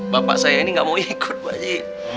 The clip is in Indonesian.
bapak saya ini nggak mau ikut pak haji